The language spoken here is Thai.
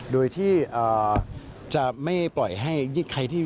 โดยที่จะไม่ปล่อยให้